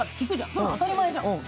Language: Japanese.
そんなの当たり前じゃん。